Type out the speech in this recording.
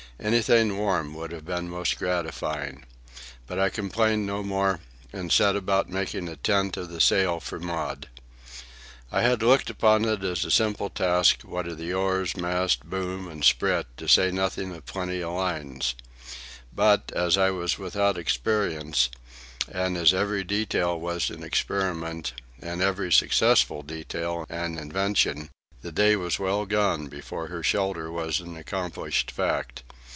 Anything warm would have been most gratifying. But I complained no more and set about making a tent of the sail for Maud. I had looked upon it as a simple task, what of the oars, mast, boom, and sprit, to say nothing of plenty of lines. But as I was without experience, and as every detail was an experiment and every successful detail an invention, the day was well gone before her shelter was an accomplished fact.